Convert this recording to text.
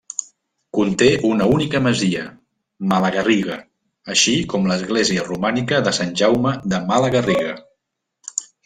Conté una única masia, Malagarriga, així com l'església romànica de Sant Jaume de Malagarriga.